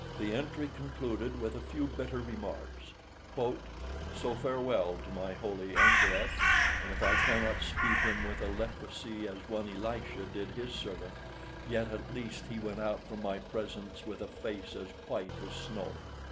The entry concluded with a few bitter remarks: _"So farewell to my holy anchoret; and if I cannot speed him with a leprosie as one Elisha did his servant, yet at least he went out from my presence with a face as white as snow."